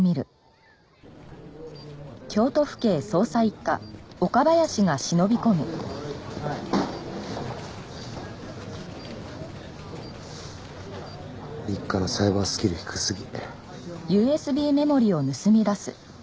一課のサイバースキル低すぎ。